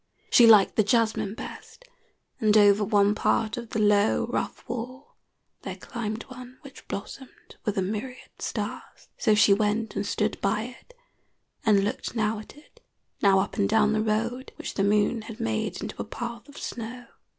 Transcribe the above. She liked the jasmine best, and over one part of the low, rough wall there climbed one which blossomed with a myriad stars. So she went and stood by it, and looked now at it, now up and down the road, which the moon had made into a path of snow.